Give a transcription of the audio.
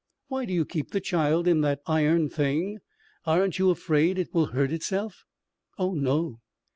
"Why do you keep the child in that iron thing? Aren't you afraid it will hurt itself?" "Oh, no."